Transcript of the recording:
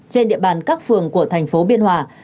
trên địa bàn các phường của tp biên hòa